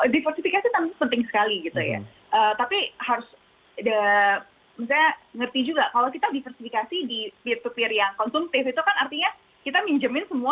diversifikasi tentu penting sekali gitu ya